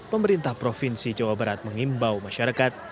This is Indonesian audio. pemerintah provinsi jawa barat mengimbau masyarakat